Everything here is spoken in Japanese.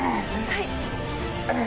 はい！